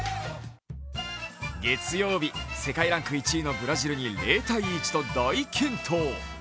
月曜日、世界ランク１位のブラジルに０−１と大健闘。